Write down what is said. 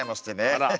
あら。